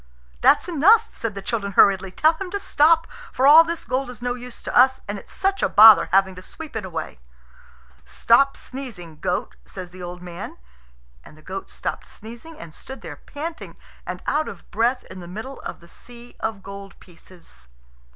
"That's enough," said the children hurriedly; "tell him to stop, for all this gold is no use to us, and it's such a bother having to sweep it away." "Stop sneezing, goat," says the old man; and the goat stopped sneezing, and stood there panting and out of breath in the middle of the sea of gold pieces.